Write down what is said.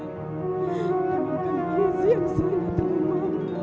kondisi yang sering terima